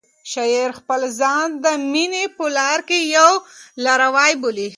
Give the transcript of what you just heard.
شاعر خپل ځان د مینې په لاره کې یو لاروی بولي.